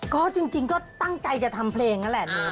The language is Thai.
ก็จริงก็ตั้งใจจะทำเพลงนั่นแหละ